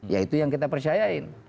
ya itu yang kita percayain